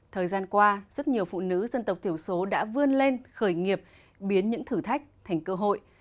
thời gian qua rất nhiều phụ nữ dân tộc thiểu số đã vươn lên khởi nghiệp biến những thử thách thành cơ hội